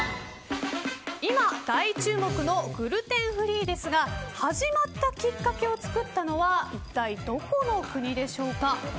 今、大注目のグルテンフリーですが始まったきっかけを作ったのは一体どこの国でしょうか？